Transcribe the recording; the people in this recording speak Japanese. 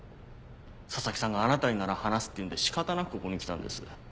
佐々木さんがあなたになら話すって言うんで仕方なくここに来たんです。